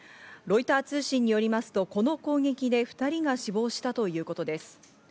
ロイター通信によりますと、この攻撃で２人が死亡したということです。